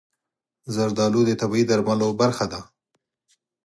زردالو د طبیعي درملو برخه ده.